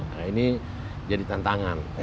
nah ini jadi tantangan